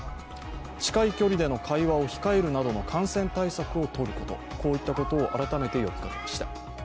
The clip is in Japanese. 近い距離での会話を控えるなどの感染対策をとること、こういったことを改めて呼びかけました。